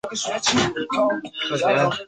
圣武天皇。